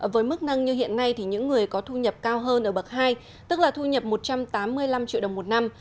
với mức nâng như hiện nay thì những người có thu nhập cao hơn ở bậc hai tức là thu nhập một trăm tám mươi năm triệu đồng một năm